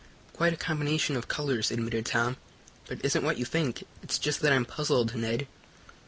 "Quite a combination of colors," admitted Tom. "But it isn't what you think. It's just that I'm puzzled, Ned."